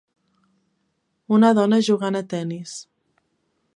Una dona jugant a tenis.